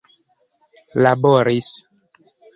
laboris